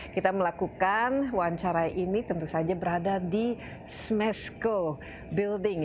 kita melakukan wawancara ini tentu saja berada di smesco building